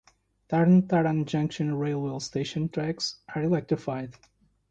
Tarn Taran Junction railway station tracks are electrified.